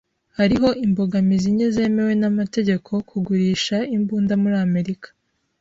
Hariho imbogamizi nke zemewe n'amategeko kugurisha imbunda muri Amerika